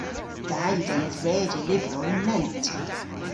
Da yw genes redya lyvrow yn lent.